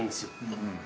うん。